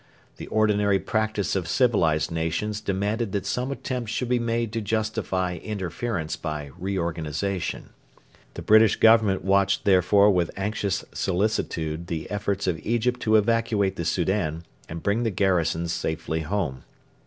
The ordinary practice of civilised nations demanded that some attempt should be made to justify interference by reorganisation. The British Government watched therefore with anxious solicitude the efforts of Egypt to evacuate the Soudan and bring the garrisons safely home.